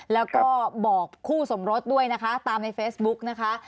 แล้วก็บอกคู่สมรสด้วยนะคะตามในเฟซบุ๊กนะคะ